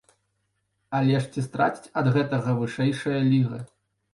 Але ж ці страціць ад гэтага вышэйшая ліга?